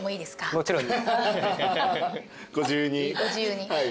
もちろん。